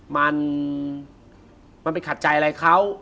มันมันไปขัดใจอะไรเขา